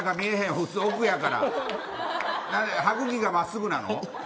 普通奥やから歯茎が真っすぐなの。